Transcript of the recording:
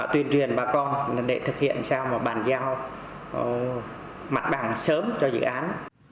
tuyên truyền bà con để thực hiện sao mà bàn giao mặt bằng sớm cho dự án